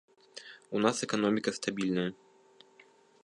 У нас эканоміка стабільная.